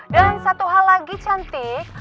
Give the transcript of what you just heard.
dan satu hal lagi cantik